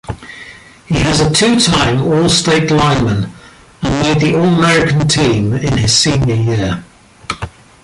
He was a two-time all-state lineman, and made the All-America team his senior year.